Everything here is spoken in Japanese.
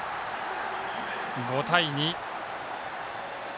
５対２。